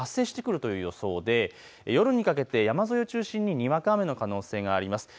雨雲が新たに発生してくるという予想で夜にかけて山沿いを中心ににわか雨の可能性もあります。